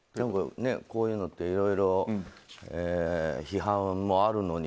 こういうのっていろいろ批判もあるのに